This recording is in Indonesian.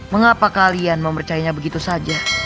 mengapa kalian mempercayanya begitu saja